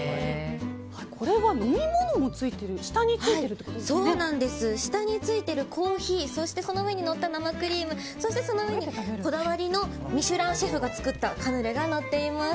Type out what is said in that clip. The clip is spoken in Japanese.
これは飲み物も下についてるコーヒーそしてその上にのった生クリームそして、その上にこだわりのミシュランシェフが作ったカヌレがのっています。